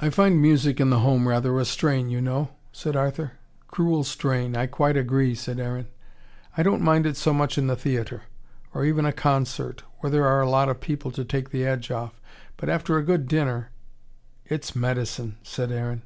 "I find music in the home rather a strain, you know," said Arthur. "Cruel strain. I quite agree," said Aaron. "I don't mind it so much in the theatre or even a concert where there are a lot of other people to take the edge off But after a good dinner " "It's medicine," said Aaron.